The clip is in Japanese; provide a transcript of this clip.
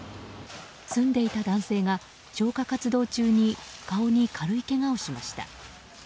住んでいた男性が消火活動中に顔に軽いけがをしました。